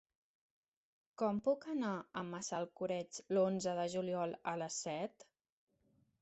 Com puc anar a Massalcoreig l'onze de juliol a les set?